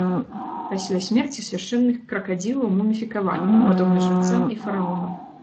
Пасля смерці свяшчэнных кракадзілаў муміфікавалі, падобна жрацам і фараонам.